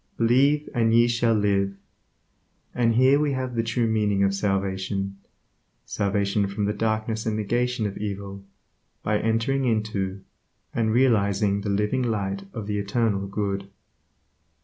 Believe and ye shall live. And here we have the true meaning of salvation; salvation from the darkness and negation of evil, by entering into, and realizing the living light of the Eternal Good.